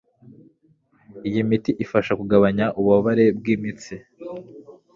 uyu muti ufasha kugabanya ububabare bwimitsi